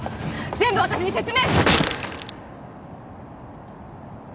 全部私に説明。